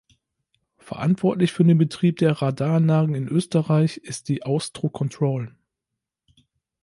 Verantwortlich für den Betrieb der Radaranlagen in Österreich ist die Austro Control.